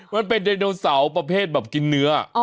มันเป็นไดโนเสาร์ประเภทแบบกินเนื้อ